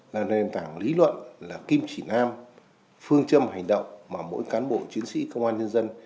là nền tảng lý luận là kim chỉ nam phương châm hành động mà mỗi cán bộ chiến sĩ công an nhân dân